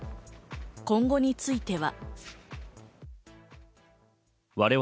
今後については。